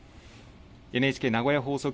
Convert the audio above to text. ＮＨＫ名古屋放送局